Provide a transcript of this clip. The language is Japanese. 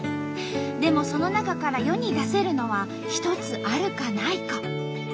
でもその中から世に出せるのは１つあるかないか。